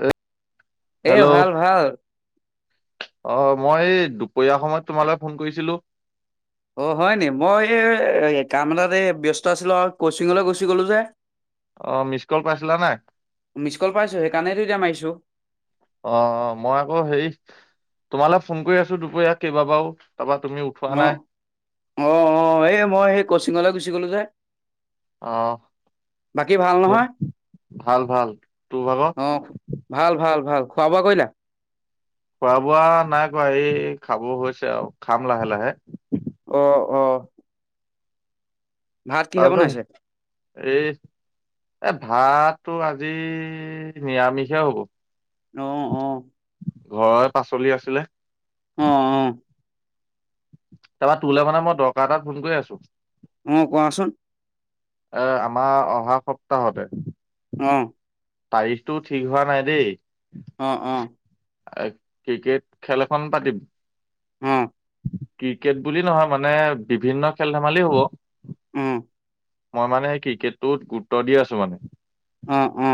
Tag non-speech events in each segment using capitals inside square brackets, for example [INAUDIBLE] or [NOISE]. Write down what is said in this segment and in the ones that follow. এ এ ভাল-ভাল। অ', মই এই দুপৰীয়া সময়ত তোমালে ফোন কৰিছিলো। অ', হয়নি মই এই কাম এটাত এই ব্যস্ত আছিলো আও কচিঙলৈ গুচি গলো যে অ', মিচ কল পাইছিলা নাই? মিচ কল পাইছো সেইকাৰণেতো এতিয়া মাৰিছো অ', মই আকৌ হেৰি তোমালে ফোন কৰি আছো দুপৰীয়া কেইবাবাও অ', অ', অ', এই মই এই কচিঙলৈ গুচি গ'লো যে। বাকী ভাল অহ', নহয় ভাল-ভাল তোৰ অ ভাগৰ ভাল ভাল ভাল খোৱা বোৱা কৰিলা? খোৱা বোৱা নাই কৰা এই খাব হৈছে আৰু খাম লাহে লাহে অ অ ভাত কিহে তাৰপিছত বনাইছে এই এ ভাতটো আজি নিৰামিষে হব অ অ ঘৰৰে পাচলি আছিলে অ অ তাৰপৰা তোলৈ মানে মই দৰকাৰ এটাত ফোন কৰি আছো অ কোৱাচোন এ আমাৰ অহা সপ্তাহতে অ তাৰিখটো ঠিক হোৱা নাই দেই অ অ ক্ৰিকেট খেল এখন পাতিম অ ক্ৰিকেট বুলি নহয় মানে বিভিন্ন খেল ধেমালি হব উম মই মানে ক্ৰিকেটটোত গুৰুত্ব দি আছো মানে অ অ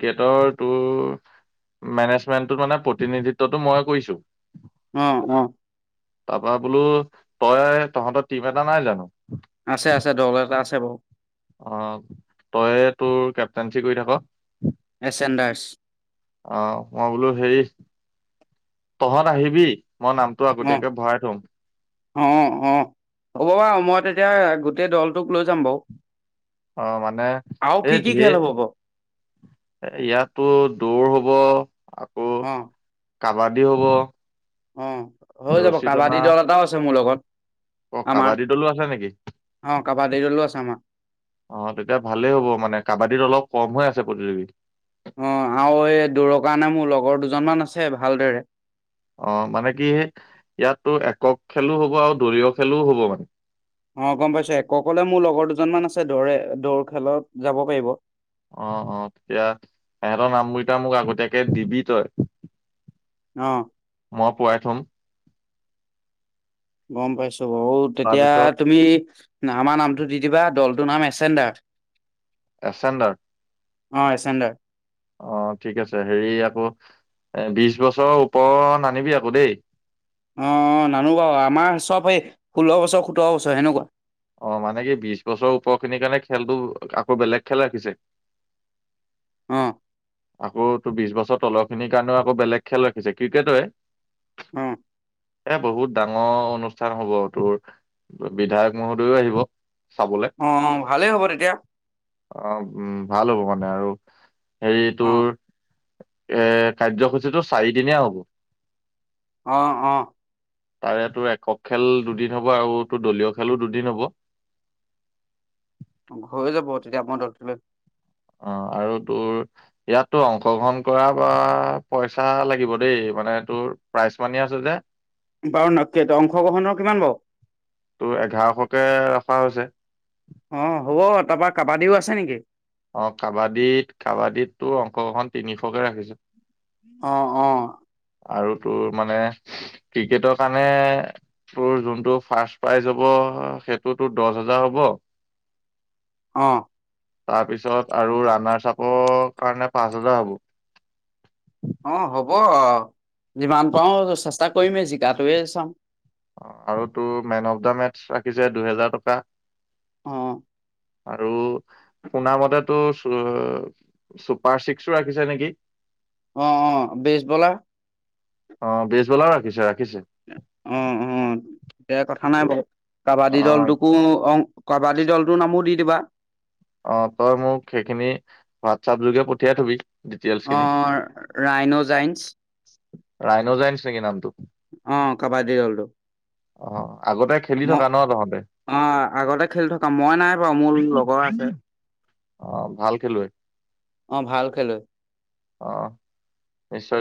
ক্ৰিকটৰ তোৰ মেনেজমেন্টটোত মানে প্ৰতিনিধিত্বটো মই কৰিছো উম উম তাৰপৰা বোলো তই তহঁতৰ টিম এটা নাই জানো আছে আছে দল এটা আছে বাৰু অ তই তোৰ কেপটেনঞ্চি কৰি থাক এচেণ্ডাৰ্ছ অ মই বোলো হেৰি তহঁত আহিবি মই নামটো অ আগতীয়াকে ভৰাই থম অ অ হ'ব বাৰু মই তেতিয়া গোটেই দলটোক লৈ যাম বাৰু অ মানে আৰু কি এই কি খেল ধেৰ হ'ব বাৰু ইয়াত তো দৌৰ হ'ব হব অ কাবাডী হ'ব অ হৈ যাব ৰছী টনা কাবাডী দল এটাও আছে মোৰ লগত অ আমাৰ কাবাডী দলো আছে নেকি অ কাবাডী দলো আছে আমাৰ অ তেতিয়া ভালেই হ'ব মানে কাবাডীত অলপ কম হৈ আছে প্ৰতিযোগী অ আৰু এই দূৰৰ কাৰণে মোৰ লগৰ দুজনমান আছে ভালদৰে অ মানে কি ইয়াতো একক খেলো হব আৰু দলীয় খেলো হব মানে অ গম পাইছো একক হলে মোৰ লগৰ দুজনমান আছে দৌৰে দৌৰ খেলত যাব পাৰিব অ অ তেতিয়া সিহঁতৰ নামকেইটা মোক আগতীয়াকে দিবি তই অ মই পোৱাই থম গম পাইছো বহুত এতিয়া তাৰপিছত তুমি আমাৰ নামটো দি দিবা দল টোৰ নাম এচেণ্ডাৰ এচেণ্ডাৰ অ এচেণ্ডাৰ অ ঠিক আছে হেৰি আকৌ এ বিশ বছৰৰ ওপৰৰ নানিবি আক দেই অ নানো বাৰু আমাৰ চব সেই ষোল্ল বছৰ সোতৰ বছৰ সেনেকুৱা অ মানে কি বিশ বছৰৰ ওপৰ খিনিৰ কাৰণে খেলটো আকৌ বেলেগ খেল ৰাখিছে অ আকৌ তো বিশ বছৰ তলৰ খিনিৰ কাৰণেও আকৌ বেলেগ খেল ৰাখিছে ক্ৰিকেটে হয় অ এ বহুত ডাঙৰ অনুষ্ঠান অনুষ্ঠান হ'ব তোৰ বিধায়ক মহোদয় ও আহিব চাবলে অ অ ভালেই হ'ব তেতিয়া আহ উম ভাল হ'ব মানে আৰু হেৰী অ এ কাৰ্যসূচী টো চাৰিদিনীয়া হ'ব অ অ তাৰে টো একক খেল দুদিন হ'ব আৰু টো দলীয় খেলো দুদিন হ'ব হৈ যাব তেতিয়া মই দলটো লৈ অ আৰু তোৰ ইয়াত তো অংশগ্ৰহণ কৰা বা পইচা লাগিব দেই মানে তোৰ প্ৰাইজ মানি আছে যে বাৰু ন কে অংশগ্ৰহণৰ কিমান লৱ তোৰ এঘাৰশকে ৰখা হৈছে তা পা কাবাডী ও আছে নেকি অ কাবাডীত কাবাডীটো অংশগ্ৰহণ তিনিশকে ৰাখিছোঁ আহ অ আৰু তোৰ মানে ক্ৰিকেটৰ কাৰণে তোৰ যোনটো ফাৰ্ষ্ট প্ৰাইজ হ'ব সেইটো তোৰ দচ হেজাৰ হ'ব অ তাৰ পিছত আৰু ৰানাৰ চাপৰ কাৰণে পাঁচ হেজাৰ হ'ব অ হ'ব যিমান পাৰো চেষ্টা কৰিমেই জিকাটোৱে চাম অ আৰু তোৰ মেন অফ দা মেথছ ৰাখিছে দুহেজাৰ টকা অ আৰু শুনা মতে টো চু চুপাৰ চিক্সো ৰাখিছে নেকি অ অ বেচ বলাৰ অ বেজবলাও ৰাখিছে ৰাখিছে অ অ এয়া কথা নাই বাৰু অ কাবাডী দলটোকো অং কাবাডী দলটোৰ নামো দি দিবা অ তই মোক সেইখিনি হোৱাটছাপ যোগে পঠিয়াই থবি ডিটেইলছ খিনি অ ৰাইনুজাইন্স ছাগে নামটো অ কাবাডী দলটো অ আগতে খেলি মই থকা ন তহঁতে অ আগতে খেলি থকা মই নাই বাৰু মোৰ লগৰ আছে অ ভাল খেলুৱৈ অ ভাল খেলোৱৈ আহ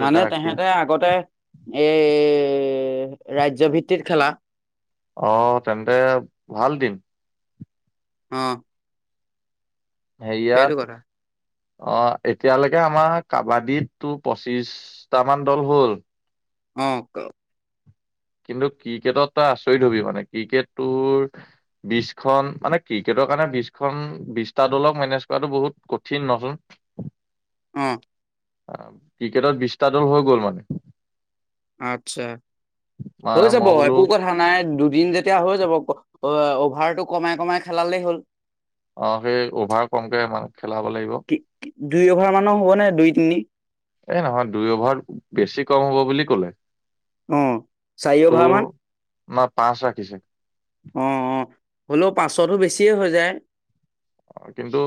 মানে তেহেঁতে আগতে এই ৰাজ্য ভিত্তিত খেলা অ, তেন্তে ভাল দিন। অ। সেইটো কথা হেইয়াৰ অ এতিয়ালৈকে আমাৰ কাবাডীতটো পঁচিশটামান দল হ'ল। অ। কিন্তু ক্ৰিকেটত তই আচৰিত হবি মানে ক্ৰিকেটটোৰ বিশখন মানে ক্ৰিকেটৰ কাৰণে বিশখন বিশটা দলক মেনেজ কৰাটো বহুত কঠিন নচোন। অ। অ ক্ৰিকেটত বিশটা দল হৈ গ'ল মানে। আতচ্ছা। হৈ মানে যাব মই বোলো একো কথা নাই দু টীম যেতিয়া হৈ যাব। অ অভাৰটো কমাই কমাই খেলালেই হ'ল। অ সেই অভাৰ কমকে মানে খেলাব লাগিব। কি দুই অভাৰ মানৰ হ'ব নে দুই তিনি এই নহয় দুই অভাৰ বেছি কম হব বুলি ক'লে। অ চাই তোৰ অভাৰ মান? না পাঁচ ৰাখিছে। অ, অ, হ'লেও পাঁচতো বেছিয়ে হৈ যায়। অ কিন্তু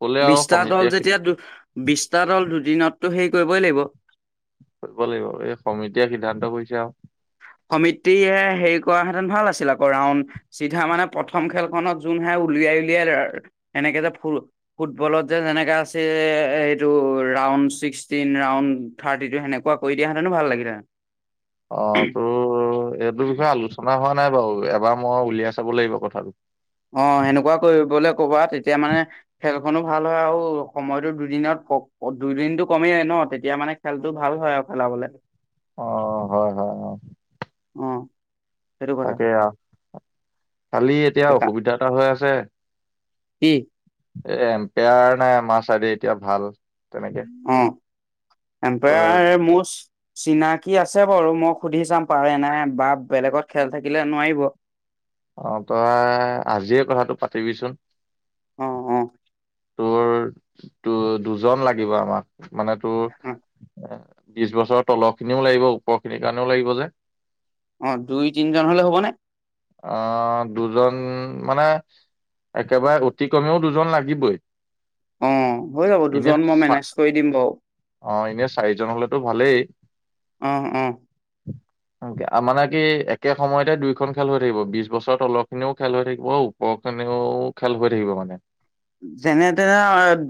ক'লে আৰু বিশটা দল সমিতিয়ে সি- যেতিয়া দু বিশটা দল দুদিনত তো হেৰি কৰিবই লাগিব। কৰিব লাগিব এই সমিতিয়ে সিদ্ধান্ত কৰিছে আৰু। সমিতিয়ে হেই কৰা হেতেন ভাল আছিল আকৌ ৰাউন চিধা মানে প্ৰথম খেলখনত জোন হাৰে উলিয়াই উলিয়াই সেনেকে যে ফুটবলত যে যেনেকে আছিল এইটো ৰাউন ছিক্সটিন ৰাউন থাৰ্টিটো সেনেকুৱা কৰি দিয়াহেতেনো ভাল লাগিহেতেন। অ তো এইটো বিষয়ে আলোচনা হোৱা নাই বাৰু এবাৰ মই উলিয়াই চাব লাগিব কথাটো। অ সেনেকুৱা কৰিবলে কবা তেতিয়া মানে খেল খনো ভাল হয় আৰু সময়তো দুদিনত দুইদিনটো কমেই ন তেতিয়া মানে খেলতটো ভাল হয় আৰু খেলাবলে। অ, হয়, হয়, হয়। উম। তাকে আৰু কালি এতিয়া অসুবিধা এটা হৈ আছে। কি? এ এম্পায়াৰ নাই আমাৰ চাইডে এতিয়া ভাল। তেনেকে, অ, তই এম্পায়াৰ মষ্ট। চিনাকি আছে বাৰু মই খুধি [UNINTELLIGIBLE] চাম পাৰে নাই বা বেলেগত খেল থাকিলে নোৱাৰিব। অ তই আজিয়ে কথাটো পাতিবিচোন। অ, অ। তোৰ দু দুজন লাগিব আমাক। মানে তোৰ অ এ বিশ বছৰৰ তলৰ খিনিও লাগিব ওপৰ খিনিৰ কাৰণেও লাগিব যে। অ দুই তিনজন হলে হ'বনে। আহ দুজন মানে। একেবাৰে অতি কমেও। দুজন লাগিবই। অ হৈ যাব এনে দুজন মই চ মেনেজ কৰি দিম বাৰু অ এনে চাৰিজন হলেতো ভালেই। অহ অহ মানে কি একে সময়তে দুইখন। খেল হৈ থাকিব বিশ বছৰ তলৰ খিনিও খেল হৈ থাকিব। ওপৰ খিনিও খেল হৈ থাকিব মানে। যেনে তেনে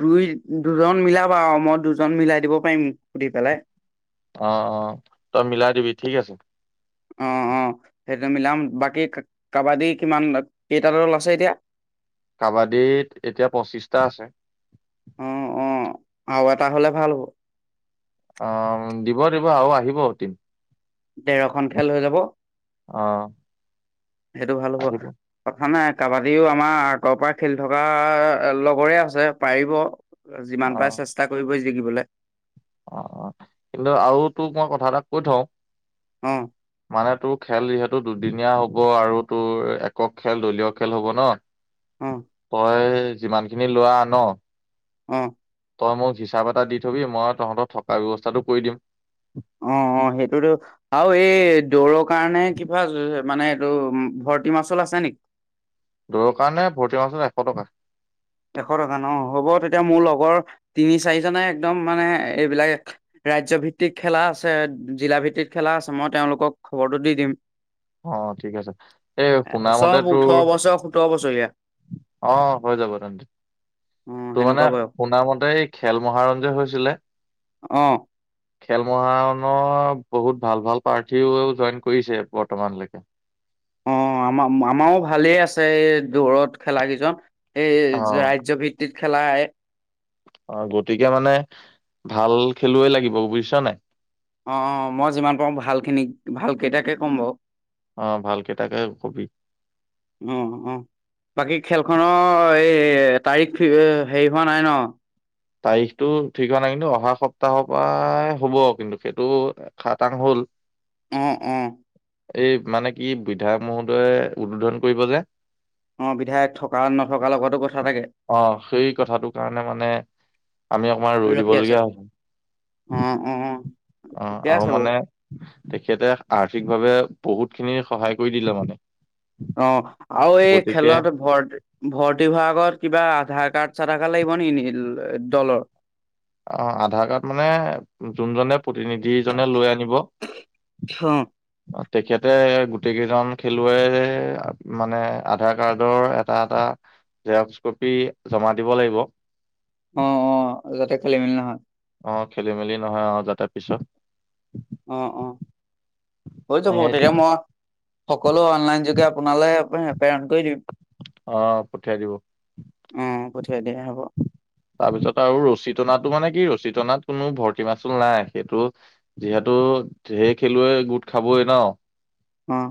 দুই দুজন মিলাবা আৰু মই দুজন মিলাই দিব পাৰিম সুধি পেলাই। অ অ তই মিলাই দিবি ঠিক আছে। অ অ সেইটো মিলাম বাকী কাবাডী কিমান কেইটা দল আছে এতিয়া। কাবাডীত এতিয়া পঁচিছটা আছে। অ অ আৰু এটা হলে ভাল হ'ব। অ দিব দিব আৰু আহিবদিন। ডৰ খ খেল হৈ যাব। অহ। সেইটো ভাল হ'ব কথা নাই। কাবাডীও আমাৰ আগৰ পৰা খেলি থকা লগৰে আছে পাৰিব। যিমান পাৰে চেষ্টা কৰিবই। থাকিবেলাই অ অ কিন্তু আৰু তোক মই কথা এটাক কৈ থওঁ। অ মানে তোৰ খেল যিহেতু দুদিনীয়া হ'ব। হ'ব আৰু তোৰ একক খেল দলীয় খেল হ'ব অ ন। তয়। যিমান খিনি লোৱা ন। অ। তই মোক হিচাপ এটা দি থবি মই। তহঁতৰ থকা ব্যয়ৱস্থাটো কৰি দিম। অ অ সেইটোতো আৰু এই দৌৰৰ কাৰণে কিবা মানে এইটো ভৰ্তি মাচুল আছে নেকি? দৌৰ কাৰণে ভৰ্তি মাছত এশ টকা। এশ টকা ন হ'ব তেতিয়া মোৰ লগৰ তিনি চাৰিজনে একদম মানে এইবিলাক ৰাজ্য ভিত্তিক খেলা আছে। জিলা ভিত্তিক খেলা আছে। মই তেওঁলোকক খবৰটো দি দিম। অ ঠিক আছে এই শুনামতে চব ওঠৰ তোৰ বছৰ সোতৰ বছৰীয়া অ হৈ যাব তেন্তে। অ তোৰ মানে সেনেকুৱা বয়স শুনা মতে এই খেল মহাৰঞ্জ হৈছিলে। অ খেল মহানৰ বহুত ভাল ভাল প্ৰাৰ্থীও জইন কৰিছে বৰ্তমানলৈকে। অ আমাৰ আমাৰো ভালেই আছে এই দৌৰত খেলা কেইজন। এই অ', ৰাজ্য ভিত্তিত। খেলাই অ গতিকে মানে ভাল খেলুৱৈ লাগিব বুজিছ নে নাই অ অ মই যিমান পাওঁ ভালখিনি ভাল কেইটাকে ক'ম বাৰু অ', ভালকেইটাকে কবি। অ অ বাকী খেলখনৰ, এ, তাৰিখ ফি এ, হেৰি হোৱা নাই ন? তাৰিখটো ঠিক হোৱা নাই। কিন্তু অহা সপ্তাহৰ পৰাই হ'ব কিন্তু, সেইটো খাতাং হ'ল। অ', অ'। এই মানে কি, বিধায়ক মহোদয়ে উদ্বোধন কৰিব যে। অ', বিধায়ক থকা নথকা লগতো কথা থাকে। অ', সেই কথাটোৰ কাৰণে মানে আমি অকমান ৰৈ ৰখি আছে দিবলগীয়া হৈছে। অ অ অ', ঠিকে আৰু আছে বাৰু মানে, তেখেতে আৰ্থিকভাৱে বহুতখিনি সহায় কৰি দিলে মানে। অ', আৰু এই গতিকে খেলত ভৰ্তি-ভৰ্তি হোৱাৰ আগত কিবা আধাৰ কাৰ্ড চাধাৰকাৰ্ড লাগিব নেকি-নেকি দলৰ? অ', আধাৰ কাৰ্ড মানে, জোনজনে প্ৰতিনিধিজনে লৈ আনিব তেখেতে গোটেই কেইজন খেলুৱৈৰ মানে, আধাৰ কাৰ্ডৰ এটা এটা জেৰক্স কপি জমা দিব লাগিব। অ', অ', যাতে খেলি মেলি নহয়। অ', খেলি মেলি নহয় আৰু যাতে পিছত। অ', অ'। হৈ যাব, এই তেতিয়া তেন মই ক'লো, অনলাইনযোগে আপোনালে প্ৰেৰণ কৰি দিম। অ', পঠিয়াই দিব। অ পঠিয়াই দিয়া হ'ব তাৰপিছত আৰু ৰচী টনাটো মানে কি, ৰচী টনাত কোনো ভৰ্তি মাচুল নাই, সেইটো যিহেতু ধেৰ খেলুৱৈ গোট খাবই ন। অ'।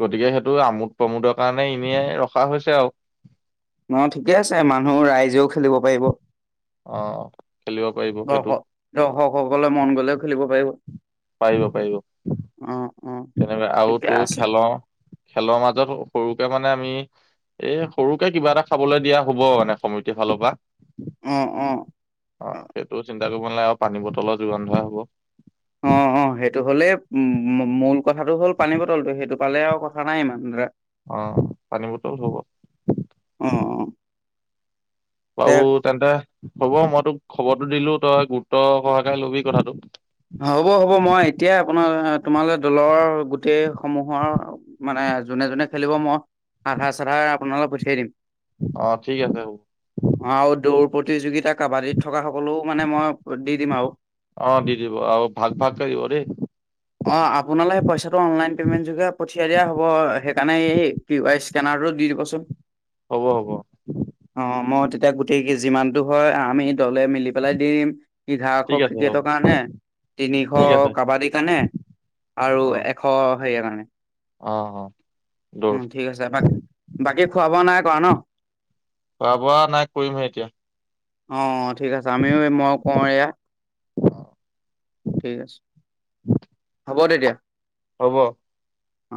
গতিকে সেইটো আমোদ প্ৰমোদৰ কাৰণে ইনেই ৰখা হৈছে আৰু। অ', ঠিকে আছে মানুহ-ৰাইজেও খেলিব পাৰিব। অ খেলিব পাৰিব সেইটো দৰ্শক দৰ্শকসকলে মন গ'লেও খেলিব পাৰিব। পাৰিব পাৰিব। অ অ তেনেহ'লে আৰু ঠিকে তোৰ আছে খেলৰ, খেলৰ মাজত সৰুকে মানে আমি এ, সৰুকে কিবা এটা খাবলৈ দিয়া হ'ব, মানে সমিতিৰ ফালৰ পৰা। অ', সেইটো চিন্ত চিন্তা কৰিব নালগে, আৰু পানী বটলৰ যোগান ধৰা হ'ব। অ', অ', সেইটো হ'লেই উম-মূল কথাটো হ'ল পানী বটলটো, সেইটো পালে আৰু কথা নাই ইমান ধৰা। অ', পানী বটল হ'ব। অ অ দে বাৰু, তেন্তে হ'ব মই তোক খবৰটো দিলো, তই গুৰুত্ব সহকাৰে ল'বি কথাটো। হ'ব হ'ব, মই এতিয়াই আপোনাৰ তোমালৈ দলৰ গোটেই সমূহৰ, মানে জোনে জোনে খেলিব, মই আধাৰ-চাধাৰ আপোনালৈ পঠিয়াই দিম। অ', ঠিক আছে হ'ব। আৰু দৌৰ প্ৰতিযোগিতা কাবাডীত থকা সকলো মানে মই দি দিম আৰু অ', আও ভাগ ভাগ কে দিব দেই। অ', আপোনালে সেই পইচাটো অনলাইন পেমেন্ট যোগে পঠিয়াই দিয়া হ'ব, সেইকাৰণে এই কে ওৱাই চি কেনাৰটো দি দিবচোন। হ'ব হ'ব। এতিয়া গোটেই যিমানটো হয় আমি দলে মিলি বেলাই দিম। ইঘাৰ শ ঠিক আছে হ'ব কেইটকা হে তিনিশ ঠিক আছে কাবাডী কানে আৰু অ এশ হেই কাআনে। অ অ দৌৰ। খোৱা-বোৱা নাই কৰা ন? খোৱা বোৱা নাই, কৰিমহে এতিয়া। অ অ ঠিক আছে, আমিও এ মই কওঁ এয়া। ঠিক আছে। হ'ব তেতিয়া। হ'ব। অ।